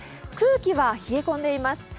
空気は冷え込んでいます。